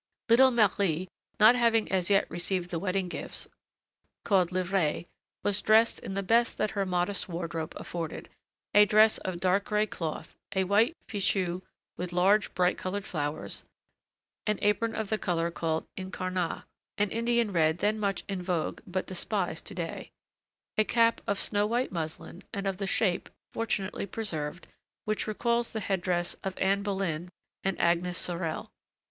Little Marie, not having as yet received the wedding gifts, called livrées, was dressed in the best that her modest wardrobe afforded: a dress of dark gray cloth, a white fichu with large bright colored flowers, an apron of the color called incarnat, an Indian red then much in vogue but despised to day, a cap of snow white muslin and of the shape, fortunately preserved, which recalls the head dress of Anne Boleyn and Agnès Sorel.